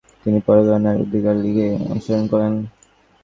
তিনি প্যারাগুয়ের নারী অধিকার লীগে অংশগ্রহণ করেন।